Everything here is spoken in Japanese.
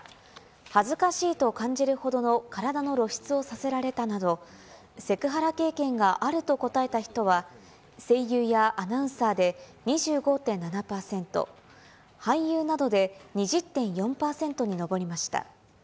恥ずかしいと感じるほどの体の露出をさせられたなど、セクハラ経験があると答えた人は、声優やアナウンサーで２５．７％、俳優などで２０．４％に上りました。